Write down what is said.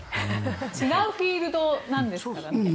違うフィールドなんですからね。